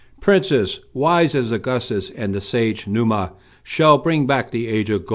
Princes, wise as Augustus and the sage Numa, shall bring back the age of gold.